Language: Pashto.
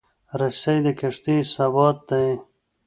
رسۍ د کښتۍ ثبات دی.